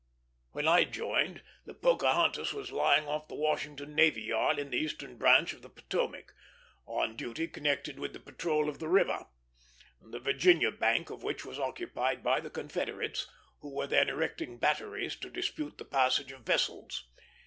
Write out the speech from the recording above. When I joined, the Pocahontas was lying off the Washington Navy Yard, in the eastern branch of the Potomac, on duty connected with the patrol of the river; the Virginia bank of which was occupied by the Confederates, who were then erecting batteries to dispute the passage of vessels.